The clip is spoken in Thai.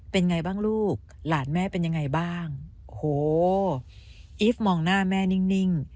เป็นไงบ้างลูกหลานแม่เป็นยังไงบ้างโอ้โหอีฟมองหน้าแม่นิ่ง